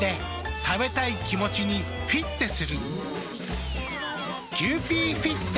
食べたい気持ちにフィッテする。